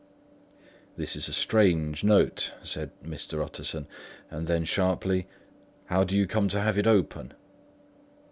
"This is a strange note," said Mr. Utterson; and then sharply, "How do you come to have it open?"